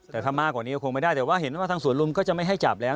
แต่ถ้ามากกว่านี้ก็คงไม่ได้แต่ว่าเห็นว่าทางสวนลุมก็จะไม่ให้จับแล้ว